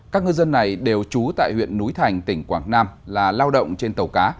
các ngư dân này đều trú tại huyện núi thành tỉnh quảng nam là lao động trên tàu cá